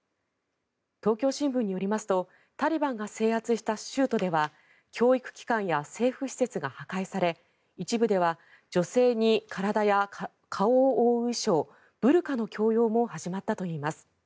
東京新聞によりますとタリバンが制圧した州都では教育機関や政府施設が破壊され一部では女性に体や顔を覆う衣装ブルカの強要も始まったといいます。